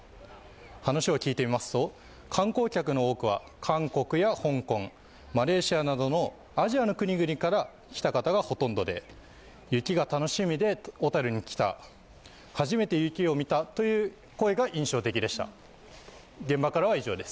話を聞いてみますと、観光客の多くは韓国や香港、マレーシアなどのアジアの国々から来た方がほとんどで雪が楽しみで小樽に来た、初めて雪を見たという声が印象的でした。